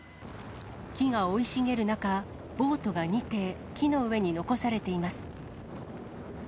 木が生い茂る中、ボートが２艇、木の上に残されています。